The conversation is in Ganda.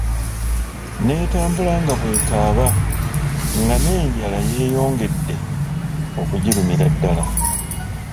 Netambula nga bw'ekaaba, nga n'enjala yeyongede okugirumira ddala.